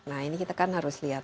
nah ini kita kan harus lihat